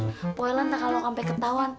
mpo ella entah kalau sampai ketahuan